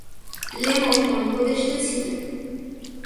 Lemon তার উপদেষ্টা ছিলেন।